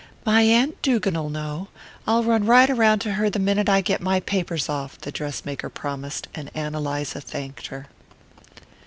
"My aunt Dugan'll know. I'll run right round to her the minute I get my papers off," the dress maker promised; and Ann Eliza thanked her.